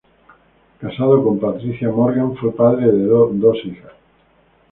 Casado con Patricia Morgan, fue padre de dos hijas.